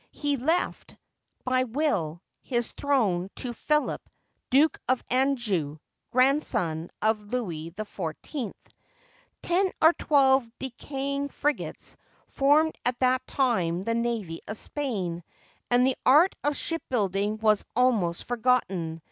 He left, by will, his throne to Philip, Duke of Anjou, grandson of Louis XIV. Ten or twelve decaying frigates formed at that time the navy of Spain, and the art of ship building was al most forgotten.